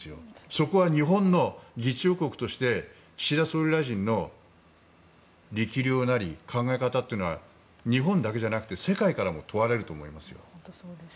そこは日本の議長国として岸田総理大臣の力量なり考え方というのは日本だけじゃなくて世界からも問われると思いますよ。